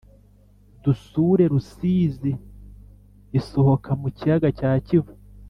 dusure rusizi isohoka mu kiyaga cya kivu